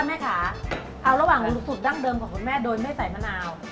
แม่ค่ะเอาระหว่างสูตรดั้งเดิมของคุณแม่โดยไม่ใส่มะนาว